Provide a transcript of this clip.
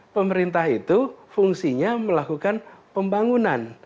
pemerintah itu fungsinya melakukan pembangunan